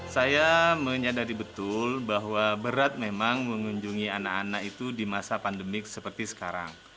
saya menyadari betul bahwa berat memang mengunjungi anak anak itu di masa pandemi seperti sekarang